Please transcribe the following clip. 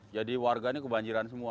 jadi warganya kebanjiran semua